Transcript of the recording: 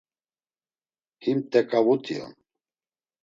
Him tek̆avut̆i on.